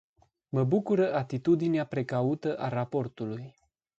Mă bucură atitudinea precaută a raportului.